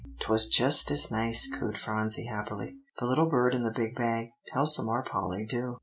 "'Twas just as nice," cooed Phronsie happily; "the little bird in the big bag. Tell some more, Polly, do."